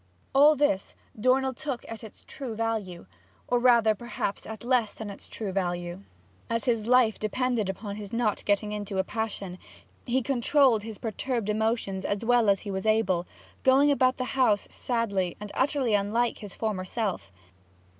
All this Dornell took at its true value, or rather, perhaps, at less than its true value. As his life depended upon his not getting into a passion, he controlled his perturbed emotions as well as he was able, going about the house sadly and utterly unlike his former self.